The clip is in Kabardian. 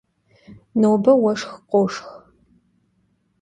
Nobe vueşşx khoşşx.